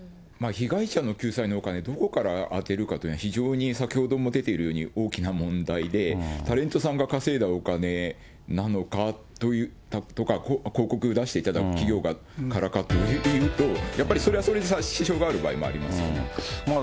被害者の救済のお金、どこから充てるかというのは非常に、先ほども出ているように大きな問題で、タレントさんが稼いだお金なのかといったことが、広告出していただく企業からかというと、やっぱりそれはそれで支障がある場合もあります。